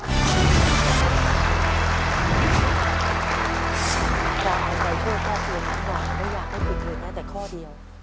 ขออภัยช่วยพ่อคุณครับค่ะไม่อยากให้ผิดเงินแน่แต่ข้อเดียว